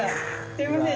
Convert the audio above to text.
すいません